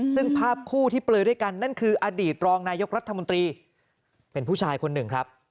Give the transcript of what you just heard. ซึ่งภาพคู่ที่เปลยด้วยกันนั่นคืออดีตรองนายกรัฐมนตรีเป็นผู้ชายคนหนึ่งครับ